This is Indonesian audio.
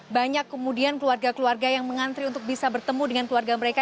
banyak kemudian keluarga keluarga yang mengantri untuk bisa bertemu dengan keluarga mereka